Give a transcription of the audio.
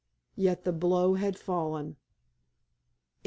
Yet the blow had fallen.